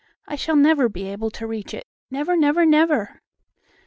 I shall never be able to reach it! Never, never, never!"